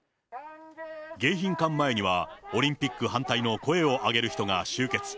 迎賓館前には、オリンピック反対の声を上げる人が集結。